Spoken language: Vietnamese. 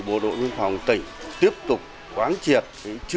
bộ đội nguyên phòng tỉnh tiếp tục quán triệt